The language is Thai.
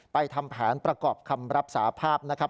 ทำแผนประกอบคำรับสาภาพนะครับ